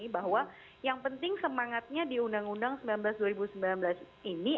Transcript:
bahwa yang penting semangatnya di undang undang sembilan belas dua ribu sembilan belas ini